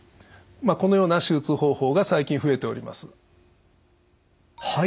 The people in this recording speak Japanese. このような手術方法が最近増えております。